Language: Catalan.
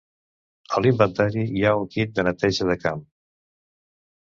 A l'inventari hi ha un kit de neteja de camp.